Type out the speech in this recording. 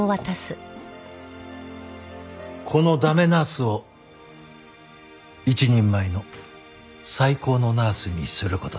この駄目ナースを一人前の最高のナースにする事です。